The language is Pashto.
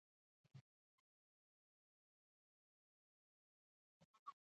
کاناډا د راتلونکي هیله ده.